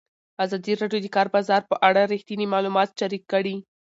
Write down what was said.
ازادي راډیو د د کار بازار په اړه رښتیني معلومات شریک کړي.